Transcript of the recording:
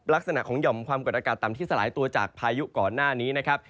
ลักษณะของหย่อมความกดอากาศต่ำที่สลายตัวจากพายุก่อนหน้านี้นะครับ